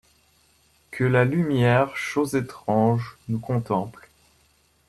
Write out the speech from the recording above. Que la lumière, chose étrange, nous contemple ;